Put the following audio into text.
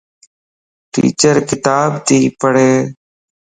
ٽيچر ڪتاب تي پڙھ